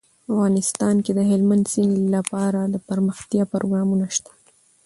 افغانستان کې د هلمند سیند لپاره دپرمختیا پروګرامونه شته.